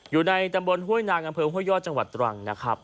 อยู่ในตำรวจห้วยนางอห้วยยอดจังหวัดตรวัง